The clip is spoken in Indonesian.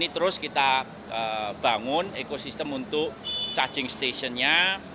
terus kita bangun ekosistem untuk charging station nya